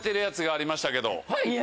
やつがありましたけど。